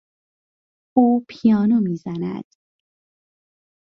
او پیانو میزند.